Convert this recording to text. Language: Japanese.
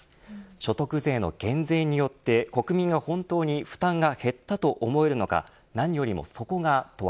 所得税の減税によって国民が本当に負担が減ったと思えるのか。